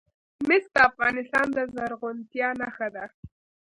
مس د افغانستان د زرغونتیا نښه ده.